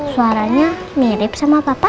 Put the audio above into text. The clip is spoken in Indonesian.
suaranya mirip sama papa